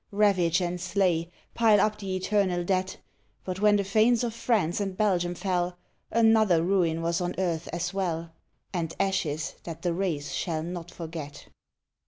Ravage and slay ! Pile up the eternal debt ! But when the fanes of France and Belgium fell Another ruin was on earth as well, And ashes that the race shall not forget.